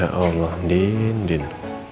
ya allah din